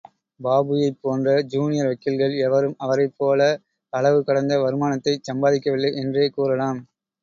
பாபுவைப் போன்ற ஜூனியர் வக்கீல்கள் எவரும் அவரைப் போல அளவுகடந்த வருமானத்தைச் சம்பாதிக்கவில்லை என்றே கூறலாம்.